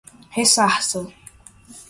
ressarça